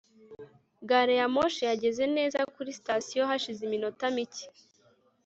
gari ya moshi yageze neza kuri sitasiyo hashize iminota mike